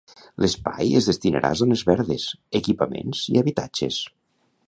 L'espai es destinarà a zones verdes, equipaments i habitatges.